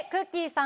さん